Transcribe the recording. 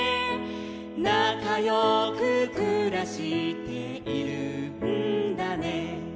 「なかよくくらしているんだね」